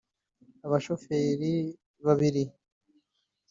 Abashoferi babiri